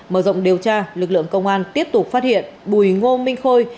mở rộng điều tra lực lượng công an tiếp tục phát hiện bùi ngô minh khôi